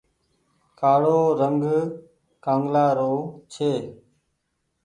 ڪآڙو رنگ ڪآنگلآ رو ڇي۔